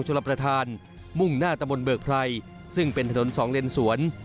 ลประธานมุ่งหน้าตะบนเบิกไพรซึ่งเป็นถนนสองเลนสวน